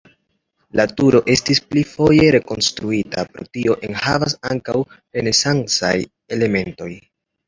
La turo estis pli foje rekonstruita, pro tio enhavas ankaŭ renesancaj elementoj.